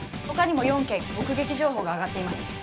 他にも４件目撃情報が挙がっています。